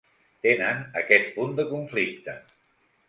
Tenen aquest punt de conflicte.